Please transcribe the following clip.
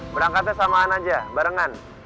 berangkatnya samaan aja barengan